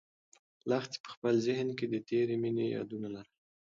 لښتې په خپل ذهن کې د تېرې مېنې یادونه لرل.